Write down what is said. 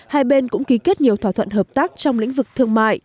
hai bên cũng ký kết nhiều thỏa thuận hợp tác trong lĩnh vực thương mại